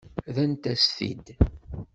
Rrant-as-t-id.